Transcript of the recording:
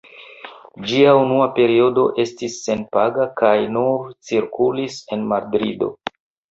Ĝia unua periodo estis senpaga kaj nur cirkulis en Madrido.